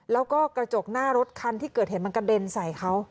แล้วก็กระจกหน้ารถคันที่เกิดเหตุมันกระเด็นใส่เขา